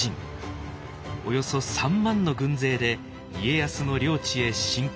およそ３万の軍勢で家康の領地へ侵攻を始めます。